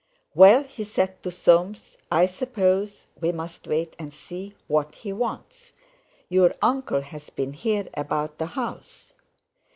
"Well," he said to Soames, "I suppose we must wait and see what he wants. Your uncle's been here about the house!"